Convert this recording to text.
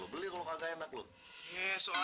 eh bakso gue kenapa dibuang